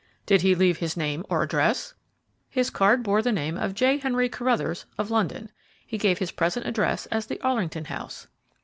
"Did he leave his name or address?" "His card bore the name of J. Henry Carruthers, of London. He gave his present address as the Arlington House."